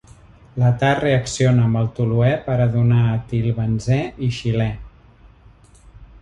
L'età reacciona amb el toluè per a donar etilbenzè i xilè.